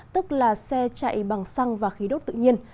tức là xe chạy bằng xăng và khí đốt tự nhiên